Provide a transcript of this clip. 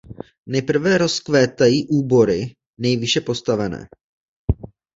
Nejprve rozkvétají úbory nejvýše postavené.